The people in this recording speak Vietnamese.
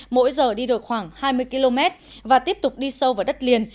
mỗi giờ đi được khoảng hai mươi km và tiếp tục đi sâu vào đất liền